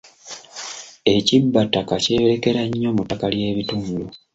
Ekibbattaka kyeyolekera nnyo mu ttaka ly'ebitundu.